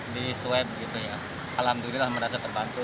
di swab gitu ya alhamdulillah merasa terbantu